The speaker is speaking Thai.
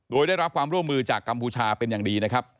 โดยได้รับความร่วมมือจากกัมพูชาเป็นอย่างดีนะครับ